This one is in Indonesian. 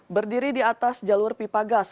berdiri di atas jalur pipa gas